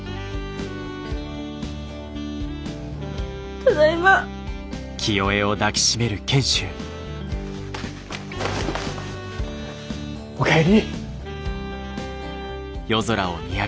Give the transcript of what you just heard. ただいま！お帰り！